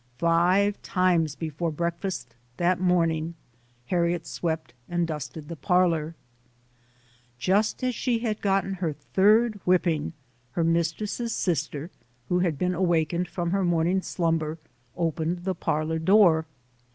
Five times before breakfast that morning Harriet swept and dusted the parlor. Just as she had gotten her third whipping, her mistress's sister, who had been awakened from her morning slumber, opened the parlor door.